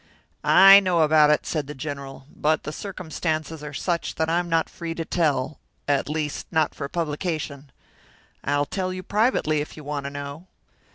"I know about it," said the General, "but the circumstances are such that I'm not free to tell at least, not for publication. I'll tell you privately, if you want to know."